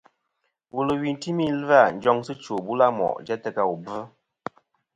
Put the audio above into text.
Wulwi timi ɨ̀lvɨ-a njoŋsɨ chwò bula mo' jæ tɨ ka wu bvɨ.